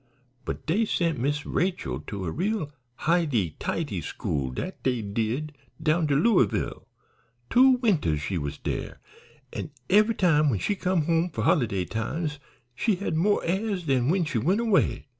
But dey sent Miss Rachel to a real highty tighty school, dat dey did, down to Louisville. Two winters she was dere, an' eve'y time when she come home for holiday times she had mo' airs dan when she went away.